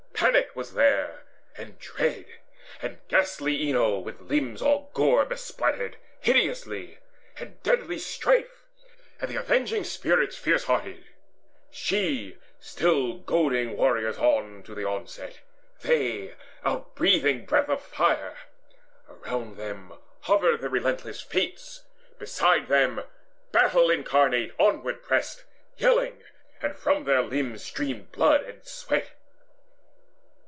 Panic was there, and Dread, and ghastly Enyo With limbs all gore bespattered hideously, And deadly Strife, and the Avenging Spirits Fierce hearted she, still goading warriors on To the onset they, outbreathing breath of fire. Around them hovered the relentless Fates; Beside them Battle incarnate onward pressed Yelling, and from their limbs streamed blood and sweat.